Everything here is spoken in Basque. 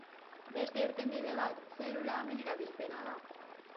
Beste irtenbide bat zelula amen erabilpena da.